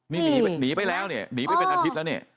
นี่นี่ไปแล้วเนี่ยนี่ไปเป็นอันดิสดิ์แล้วเนี่ย